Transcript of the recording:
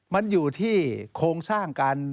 มันอยู่ที่โครงสร้างการ